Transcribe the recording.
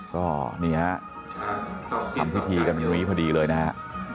ก็นี่ฮะทำพิธีกันอยู่อย่างนี้พอดีเลยนะฮะ